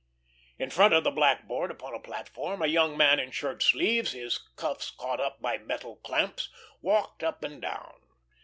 In front of the blackboard, upon a platform, a young man in shirt sleeves, his cuffs caught up by metal clamps, walked up and down.